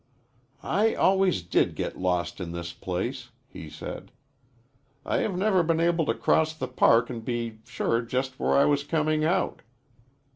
"I always did get lost in this place," he said. "I have never been able to cross the Park and be sure just where I was coming out."